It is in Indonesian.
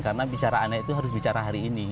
karena bicaraan itu harus bicara hari ini